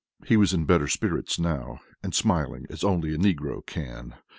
He was in better spirits now, and smiling as only a negro can.